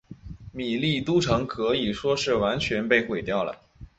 米利都城可以说是被完全毁掉了。